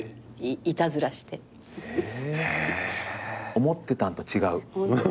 思ってたんと違う。